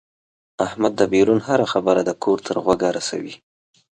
احمد دبیرون هره خبره د کور تر غوږه رسوي.